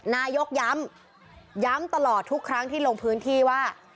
นายกย้ำย้ำตลอดทุกครั้งที่ลงพื้นที่ว่า